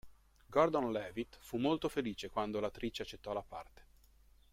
Gordon-Levitt fu molto felice quando l'attrice accettò la parte.